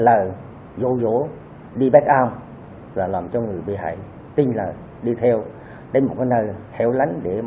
lời dỗ dỗ đi back up và làm cho người bị hại tin là đi theo đến một cái nơi hẻo lánh địa phương